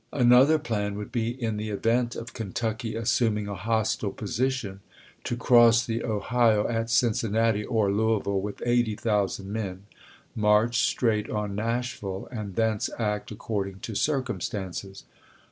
.. Another plan would be, in the event of Kentucky as suming a hostile position, to cross the Ohio at Cincinnati or Louisville with 80,000 men, march straight on Nash ville, and thence act according to circumstances.